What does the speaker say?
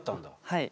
はい。